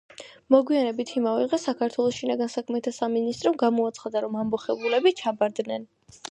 მოგვიანებით იმავე დღეს საქართველოს შინაგან საქმეთა სამინისტრომ გამოაცხადა, რომ ამბოხებულები ჩაბარდნენ.